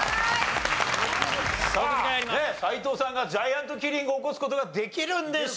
さあ斎藤さんがジャイアントキリングを起こす事ができるんでしょうか？